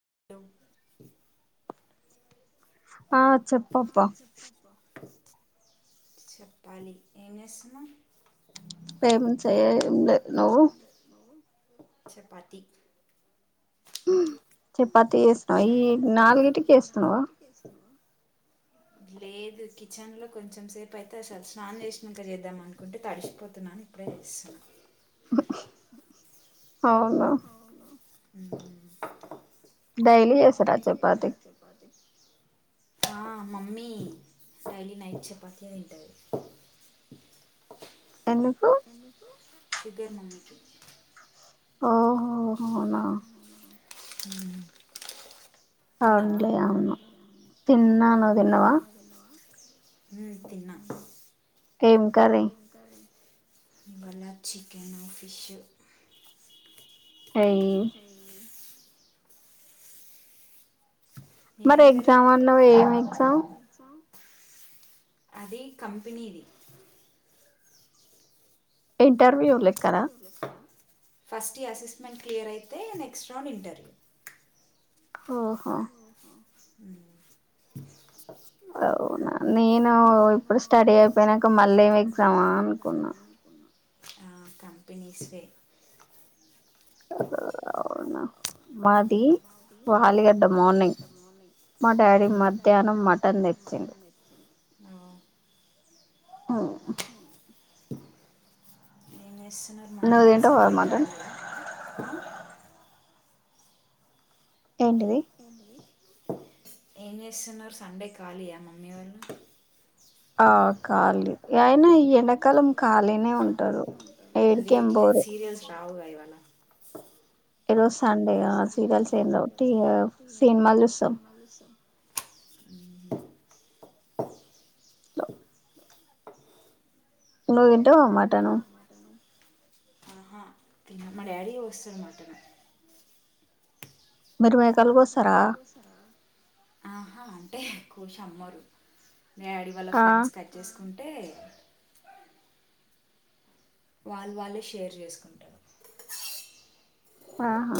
[unintelligible] ఆ చెప్పబ్బ చెప్పాలి ఏం చేస్తున్నావు సేమ్ చై ఏంలే నవ్వు. చపాతి చపాతి చేస్తున్నావా ఈ నాలుగిటికి చేస్తున్నావా. లేదు కిచెన్ లో కొంచెం సేపు అయితే అసలు స్నానం చేసినాక చేద్దాం అనుకుంటే తడిసిపోతున్నాను ఇప్పుడే చేస్తున్న. అవునా ఉమ్ డైలీ చేస్తారా చపాతి. ఆహ్ మమ్మీ డైలీ నైట్ చపాతియే తింటాది. ఏందుకు షుగర్ మమ్మీ కి. ఓహో అవునా. ఉమ్ అవునులే అవును తిన్నాను నువ్వు తిన్నావ. ఉమ్ తిన్నా. ఏం కర్రి. ఇవాళ్ళ చికెను, ఫిషు. ఏమ్ నీదేం కర్రి. అది కంపెనీది. ఇంటర్వ్యూ లెక్కనా. ఫస్ట్ ఈ అసెస్మెంట్ క్లియర్ అయితే నెక్స్ట్ రౌండ్ ఇంటర్వ్యూ. ఓహో ఉమ్ అవునా నేను ఇప్పుడు స్టడీ అయిపోయినాంక మళ్ళీ ఏం ఎగ్జామా అనుకున్నా. ఆహ్ కంపెనీస్వే. అవునా మాది వాలిగడ్డ మార్నింగ్ మా డాడీ మధ్యాహ్నం మటన్ తెచ్చిండు. ఆహ్ అవునా ఆ ఏం చేస్ మమ్మీ వాళ్ళు సండే ఖాళియా ఆహ్. ఏంటిది. ఏం చేస్తున్నారు సండే ఖాళీయా మమ్మీ వాళ్ళ. ఆహ్ ఖాళీ. అయినా ఈ ఎండాకాలం ఖాళీనే ఉంటంది. లేట్లే సీరియస్ రావుగా ఏవన్నా ఎర్రస్ సండే ఆ సీరియల్స్ ఏం రావు ట్టి సినిమా చూస్తున్నాం [inaudible] నువ్ తింటావా మటను ఆహా తిన్న మా డాడీ వస్తు [inaudible] మాట ఆ ఆ అంటే ఎక్కువ శమ్మరు డాడి వాళ్ళ ఫ్రెండ్స్ కట్ చేస్ అంటే వాళ్ళు వాళ్ళే షేర్ చేసుకుంటారు ఆహా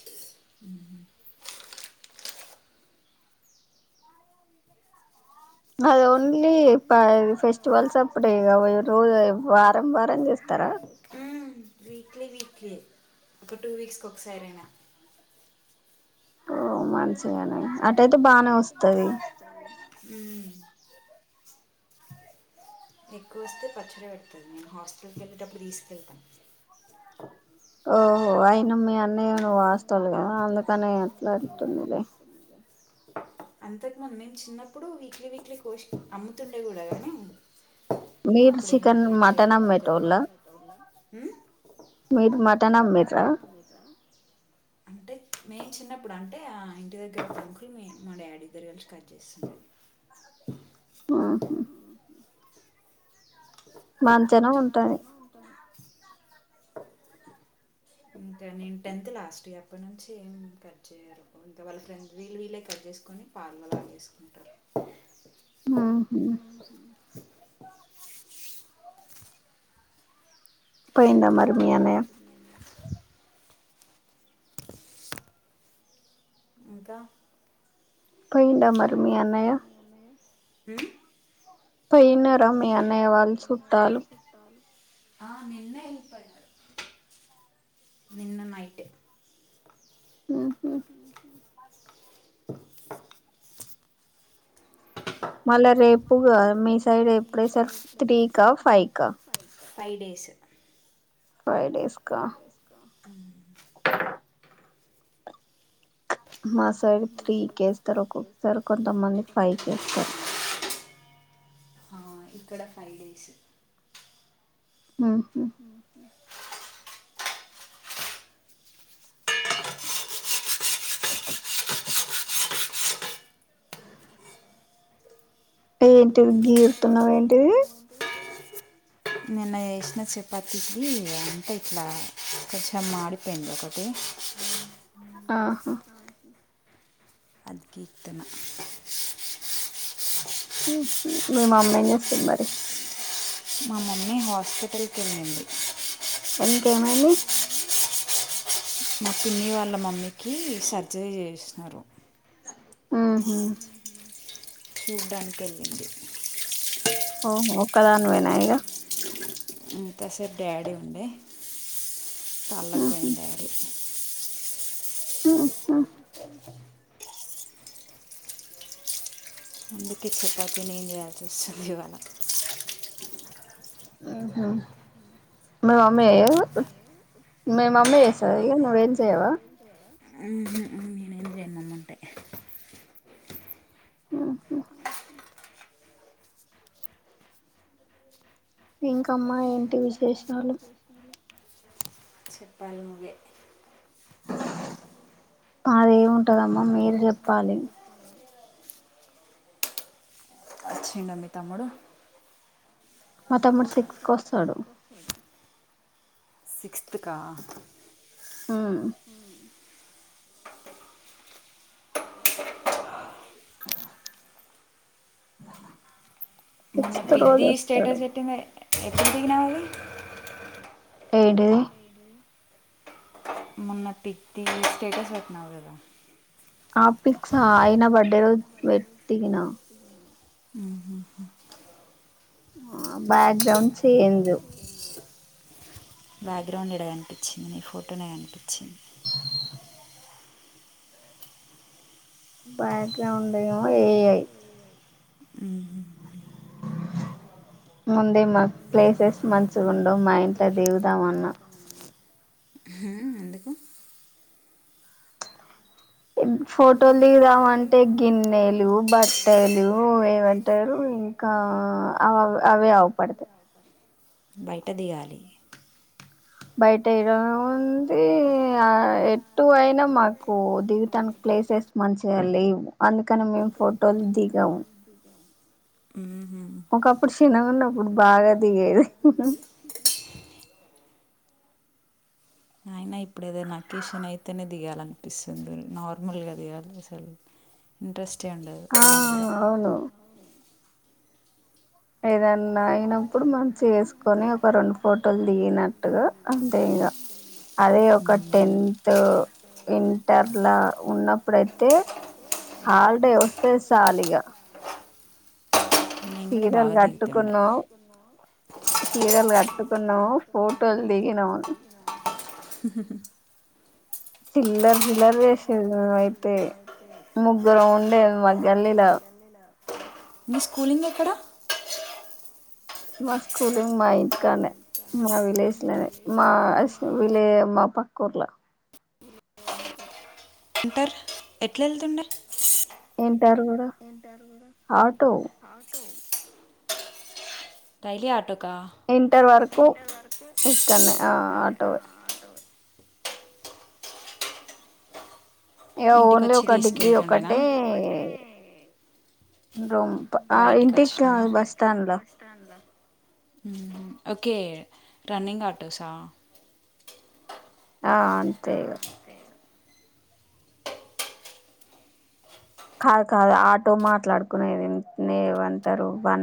మ్మ్ హ్మ్ [unintelligible] ఓన్లీ ఫెస్టివల్స్ అప్పుడే ఇంగ రోజు వారం వారం చేస్తారా వీక్లీ వీక్లీ ఒక టూ వీక్స్కి ఒకసారి అయినా ఓ మంచిగానే అటయితే బానే వస్తది ఎక్కువ వస్తే పచ్చడి పెడుతది మేము హాస్టల్కి వెళ్ళేటప్పుడు తీసుకెళ్తాను ఓహో అయిన మీ అన్నయ్య, నువ్వు హాస్టల్ కదా అందుకని మాట్లా [inaudible] లే అంతకుముందు మేము చిన్నప్పుడు వీక్లీ వీక్లీ కోష్ అమ్ముతుండే కూడా గాని ఇప్పుడేమి అనమాట్లేదు ఒక [inaudible] అంటే మేమ్ చిన్నప్ ఇప్పుడు అంటే ఆ ఇంటి దగ్గర కొంకులు మే మా డాడీ ఇద్దరు కలిసి కట్ చేస్తారు ఉ హు మంచన ఉంటది ఇంకా నేను టెన్త్ లాస్ట్ అప్పటినుంచి కట్ చేయరు ఇంకా వాళ్ళ ఫ్రెండ్స్ వీళ్ళు వీళ్ళే కట్ చేసుకొని ఫార్ములా చేసుకుంటారు ఉ హు పోయిండా మరి మీ అన్నయ ఇంకా పోయిండా మరి మీ అన్నయ ఉ పోయిన రా మీ అన్నయ్య వాళ్ళ చుట్టాలు ఆ నిన్న వెళ్లిపోయిన నిన్న నైట్ ఉ హు కుచ్చి సౌండ్ మళ్ళ రేప్ ఎక్కువగా మీ సైడ్ ఎప్పుడూ లేస్తారు త్రీ కా ఫైవ్ కా ఫైవ్ డేస్ ఫైవ్ డేస్ కా అ మా సైడ్ త్రీకి వేస్తారు ఒక్కొక్కసారి కొంతమంది ఫైవ్ కి వేస్తారు ఆ ఇక్కడ ఫైవ్ డేస్ ఉ బోళ్ల సౌండ్ ఏంటిది గీరుతున్నావు ఏంటిది నిన్న వేసిన చపాతీకి అంటే ఇట్లా కొంచెం మాడిపోయింది ఒకటి ఆహా కీర్తన ఉ హు మీ మమ్మీ ఏం చేస్తుంది మరి మా మమ్మీ హాస్పిటల్ కి వెళ్ళింది ఇంకా ఏమైంది మా పిన్ని వాళ్ళ మమ్మీకి సర్జరీ చేస్తున్నారు ఉ హు చూడానికి వెళ్ళింది ఓహో ఒక్కదానివే నా ఇగ ఇంతసేపు డాడీ ఉండే పాలకు పోయిండారు ఉ హు అందుకె చపాతి నేను చేయాల్సి వస్తుంది ఇవాళ మా మమ్మీ ఎయ్యదు. మీ మమ్మీ చేస్తాది నువ్వు ఏం చేయవా మ్మ్ హ్మ్ ఇంకమ్మా ఏంటి విశేషాలు మాది ఏముంటదమ్మా మీరు చెప్పాలి వచ్చిండా మీ తమ్ముడు మా తమ్ముడు సిక్స్ కి వస్తాడు సిక్స్త్ కా మ్మ్ ఇది స్టేటస్ సెట్టింగె ఎప్పుడు తిన్నావు ఏంటిది మొన్న పిక్ ది స్టేటస్ పెట్నావు కదా ఆ పిక్సా అయిన బర్డే రోజు పెట్టిిన బాక్గ్రౌండ్ చేంజ్ బ్యాక్గ్రౌండ్ ఎడ కనిపించింది ఫోటోనే కనిపించింది బ్యాక్గ్రౌండ్ ఏమో ఏ ఐ ఉ ముందే మా ప్లేసెస్ మంచిగా ఉండవు మా ఇంట్ల దిగుదామన్నా ఫోటోలు దిగుదామంటే గిన్నెలు బట్టలు ఏమంటారు. ఇంకా అ అవే అగుపడతాయి బయట దిగాలి బయట ఏముంది. ఆ ఎట్టు అయినా మాకు దిగుతానికి ప్లేసెస్ మంచిగా లేవు. అందుకని మేము ఫోటోలు దిగం ఒకప్పుడు చిన్నగున్నప్పుడు బాగా దిగేది ఏదైనా అకేషన్ అయితేనే దిగాలనిపిస్తుంది. నార్మల్ గా దిగాలనిపించలేదు ఇంట్రెస్ట్ టే ఉండదు నాకుడ ఏదన్నా అయినప్పుడు మన చేసుకొని ఒక రెండు ఫోటోలు దిగినట్టుగా అంతే ఇంగ అదే ఒక టెన్త్ ఇంటర్ లా ఉన్నప్పుడయితే హాలిడే వస్తే చాలు ఇగ చీరలు కట్టుకున్నావు సీరలు కట్టుకున్నావు ఫోటోలు దిగినాము హు హు హు చిల్లర చిల్లర చేసేది అది అయితే ముగ్గురం ఉండేది మా గల్లిల మీ స్కూలింగ్ ఎక్కడ మా స్కూలింగ్ మా ఇంటికాన్నే మా విలేజ్ లోనే మా విలే మా పక్కూర్ల ఇంటర్ ఎట్ల ఎళ్తుండే ఇంటరు కూడా ఆటో డైలీ ఆటో ఇంటర్ వర కు కన్నె ఆ ఆటోయే ఇక ఓన్లీ ఒక డిగ్రీ ఒకటే రూమ్ బయటికి వచ్చిన హ్మ్ ఓకే రన్నింగ్ ఆటోసా ఆ అంతేగా కాద్ కాదు ఆటో మాట్లాడుకునేది ఏమంటరు బ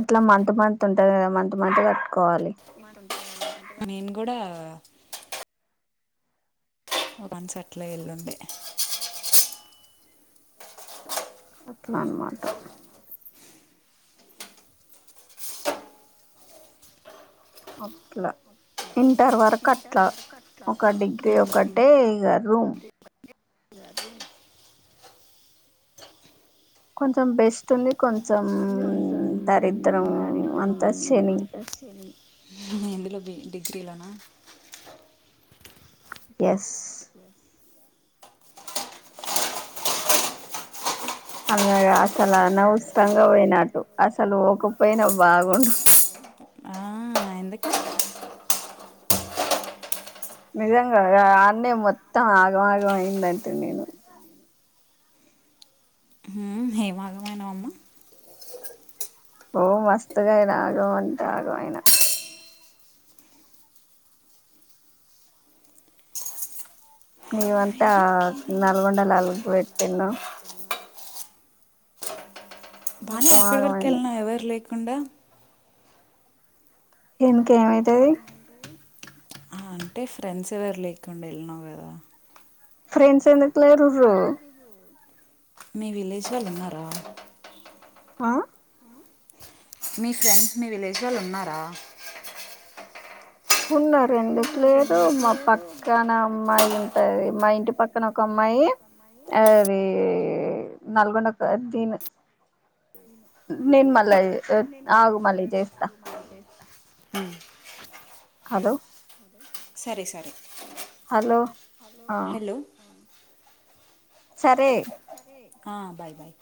ఇట్ల మంత్ మంత్ ఉంటారు కదా మంత్ మంత్ కట్టుకోవాలి. నేను కూడా ఒక మన్స్ట్లా ఎల్లుండే అట్ల అన్మాట అట్లా ఇంటర్ వరకు అట్లా ఒక డిగ్రీ ఒకటే ఇగ రూమ్ కొంచెం బెస్ట్ ఉంది కొంచెం కొంచం దారిద్రం అంతా ఇందులో త్రీలనా యస్ అమెగా అసలు అనవసరంగా పోయినటు అసలు పోకపోయినా బాగుండు. నిజంగా అన్నే మొత్తం ఆగంమాగం అయిందంటే నేను. ఓ మస్తు పోయిన ఆగం అంత ఆగంయిన నీవంట నల్గొండల అలుగు పెట్టిండు అకడ వర్కలన్నా ఎవర్ లేక్ కుండా ఎందుకు ఏమైతుది అంటే ఫ్రెండ్స్ ఎవరు లేకుండ వెళ్ళినవు కదా. ఫ్రెండ్స్ ఎందుకు లేరుర్రో మీ విలేజ్ లో ఉన్నారా ఆ మీ ఫ్రెండ్ మీ విలేజ్ లో ఉన్నారా ఉన్నారండి ఎందుకు లేరు మా పక్కన మ్మాయి ఉంటది మా ఇంటి పక్కన ఒక అమ్మాయి అది నల్గొండ ఒక దీని నేను మళ్ళా హ్మ్ హలో సరే సరే హలో ఆ సరే ఆ బాయ్ బాయ్